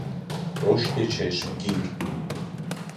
رشد چشمگیر